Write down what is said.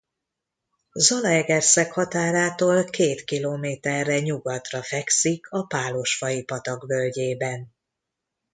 Zalaegerszeg határától két kilométerre nyugatra fekszik a Pálosfai-patak völgyében.